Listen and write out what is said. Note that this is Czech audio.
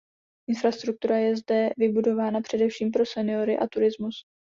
Infrastruktura je zde vybudovaná především pro seniory a turismus.